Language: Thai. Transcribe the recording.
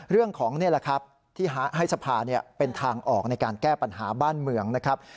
นี่แหละครับที่ให้สภาเป็นทางออกในการแก้ปัญหาบ้านเมืองนะครับ